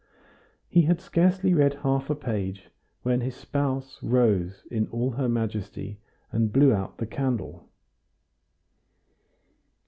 He had scarcely read half a page, when his spouse rose in all her majesty and blew out the candle.